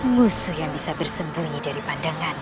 musuh yang bisa bersembunyi dari pandangan